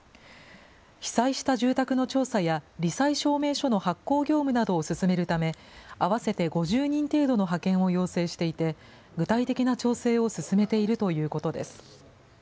被災した住宅の調査や、り災証明書の発行業務などを進めるため、合わせて５０人程度の派遣を要請していて、具体的な調整を進めているということです。